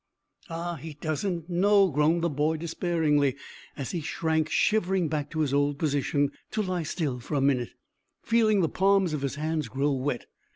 "Ah, he doesn't know," groaned the boy despairingly, as he shrank shivering back to his old position, to lie still for a minute, feeling the palms of his hands grow wet.